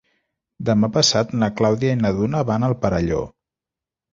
Demà passat na Clàudia i na Duna van al Perelló.